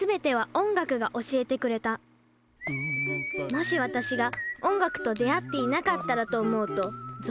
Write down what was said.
もし私が音楽と出会っていなかったらと思うとゾッとします。